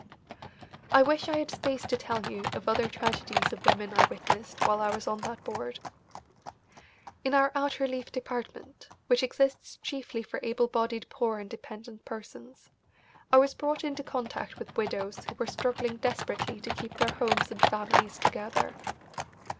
I wish I had space to tell you of other tragedies of women I witnessed while I was on that board. In our out relief department, which exists chiefly for able bodied poor and dependent persons, I was brought into contact with widows who were struggling desperately to keep their homes and families together.